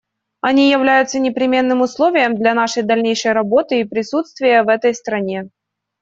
Они являются непременным условием для нашей дальнейшей работы и присутствия в этой стране.